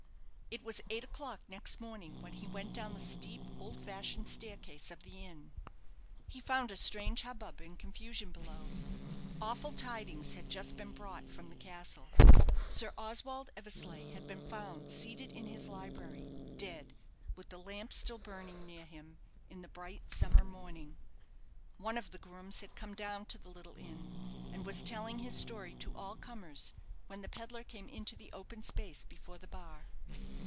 It was eight o'clock next morning when he went down the steep, old fashioned staircase of the inn. He found a strange hubbub and confusion below. Awful tidings had just been brought from the castle. Sir Oswald Eversleigh had been found seated in his library, DEAD, with the lamp still burning near him, in the bright summer morning. One of the grooms had come down to the little inn, and was telling his story to all comers, when the pedlar came into the open space before the bar.